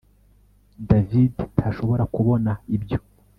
David ntashobora kubona ibyo